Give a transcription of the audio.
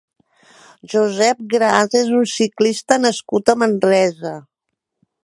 Josep Gras és un ciclista nascut a Manresa.